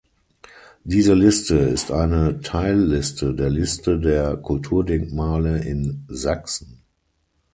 Diese Liste ist eine Teilliste der Liste der Kulturdenkmale in Sachsen.